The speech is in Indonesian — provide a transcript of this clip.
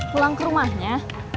pulang ke rumahnya